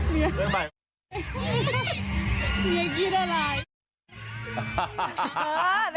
มีกางเกงชมพูคนนี้เลย